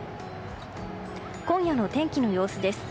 今夜の天気の様子です。